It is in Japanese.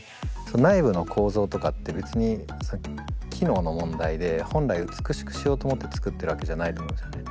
内部の構造とかって別に機能の問題で本来美しくしようと思って作ってるわけじゃないと思うんですよね。